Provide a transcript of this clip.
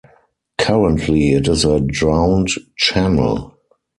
Currently it is a drowned channel.